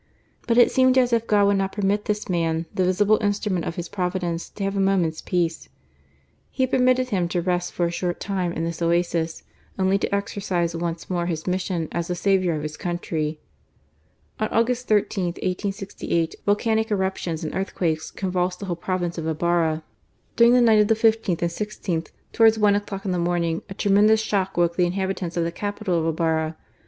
But it seemed as if God would not permit this man, the visible instrument of His Providence, to have a moment's peace. He had permitted him to rest for a short time in this oasis, only to exercise once more his mission as the saviour of his country. On August 13, 1868, volcanic eruptions and earthquakes convulsed the whole province of Ibarra. During the night of the 15th and i6th, towards one o'clock in the morning, a tremendous shock woke the inhabitants of the capital of Ibarra.